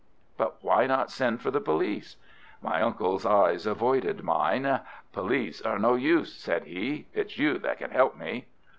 "But why not send for the police?" My uncle's eyes avoided mine. "Police are no use," said he. "It's you that can help me."